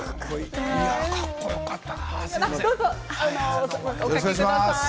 かっこよかった。